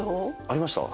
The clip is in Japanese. ありました？